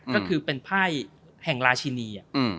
ก็คือเป็นไพ่แห่งราชินี